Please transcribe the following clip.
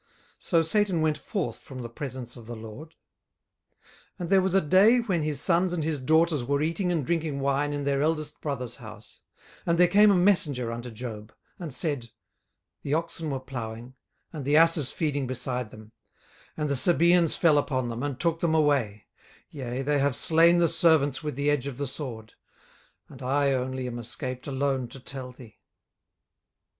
So Satan went forth from the presence of the LORD. 18:001:013 And there was a day when his sons and his daughters were eating and drinking wine in their eldest brother's house: 18:001:014 And there came a messenger unto Job, and said, The oxen were plowing, and the asses feeding beside them: 18:001:015 And the Sabeans fell upon them, and took them away; yea, they have slain the servants with the edge of the sword; and I only am escaped alone to tell thee.